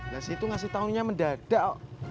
ya si itu ngasih taunya mendadak